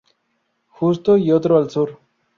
Justo y otro al sur.